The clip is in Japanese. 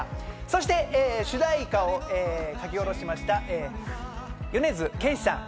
そして主題歌を書き下ろしました、米津玄師さん。